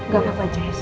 gak apa apa jess